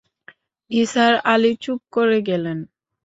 নিসার আলি চুপ করে গেলেন।